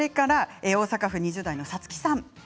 大阪府２０代の方からです。